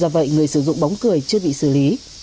do vậy người sử dụng bóng cười chưa bị xử lý